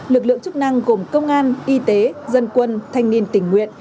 lực lượng chức năng gồm công an y tế dân quân thanh niên tình nguyện